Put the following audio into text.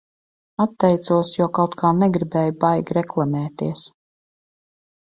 Atteicos, jo kaut kā negribēju baigi reklamēties.